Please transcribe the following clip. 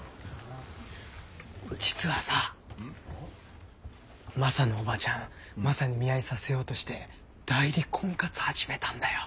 実はさマサのオバチャンマサに見合いさせようとして代理婚活始めたんだよ。